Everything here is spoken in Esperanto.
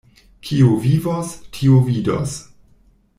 Kiu vivos, tiu vidos.